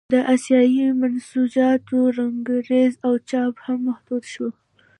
د اسیايي منسوجاتو رنګرېزي او چاپ هم محدود شول.